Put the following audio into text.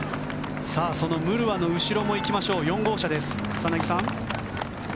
そのムルワの後ろも行きましょう４号車、草薙さん。